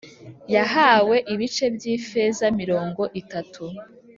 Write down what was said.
yahawe ibice by’ifeza mirongo itatu